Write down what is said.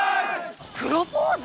プロポーズ！？